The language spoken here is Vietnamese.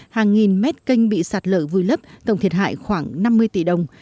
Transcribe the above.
hàng nghìn mét canh bị sạt lở vùi lấp tổng thiệt hại khoảng năm mươi tỷ đồng